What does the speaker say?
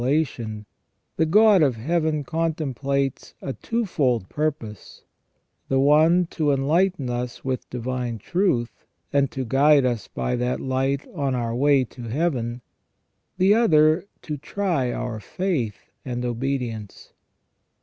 lation, the God of Heaven contemplates a twofold purpose : the one to enlighten us with divine truth, and to guide us by that light on our way to Heaven; the other to try our faith and 3 1 2 THE RESTORA TION OF MAN. obedience.